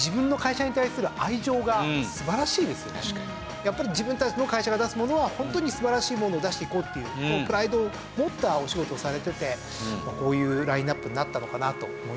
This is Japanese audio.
やっぱり自分たちの会社が出すものはホントに素晴らしいものを出していこうっていうプライドを持ったお仕事をされててこういうラインアップになったのかなと思いますね。